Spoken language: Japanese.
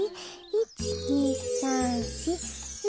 １２３４。